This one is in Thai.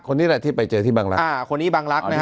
คนนี้แหละที่ไปเจอที่บังลักษณ์